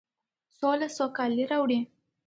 سوله سوکالي راوړي.